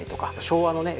昭和のね